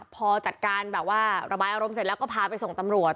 พอจัดการแบบว่าระบายอารมณ์เสร็จแล้วก็พาไปส่งตำรวจ